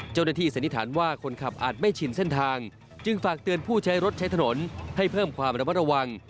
สันนิษฐานว่าคนขับอาจไม่ชินเส้นทางจึงฝากเตือนผู้ใช้รถใช้ถนนให้เพิ่มความระมัดระวัง